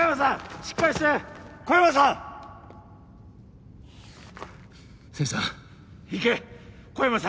しっかりして小山さん千住さん